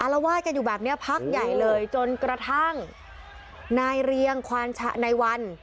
อารวาดกันอยู่แบบเนี้ยพักใหญ่เลยจนกระทั่งในเรียงในวัน